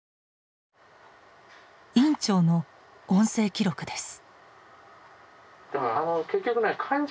院長の音声記録です。